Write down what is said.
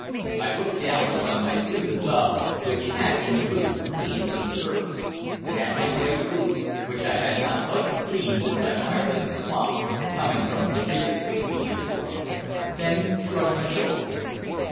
I looked down upon my suit of buff, which had in truth seen some service, and at my great boots, which I had not thought to clean since I mired in a swamp, coming from Henricus the week before; then shrugged my shoulders.